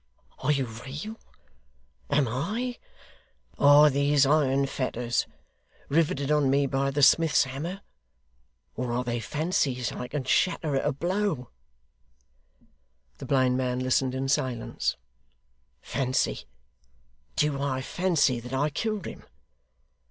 Are you real? Am I? Are these iron fetters, riveted on me by the smith's hammer, or are they fancies I can shatter at a blow?' The blind man listened in silence. 'Fancy! Do I fancy that I killed him?